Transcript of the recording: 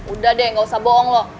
udah deh gak usah bohong loh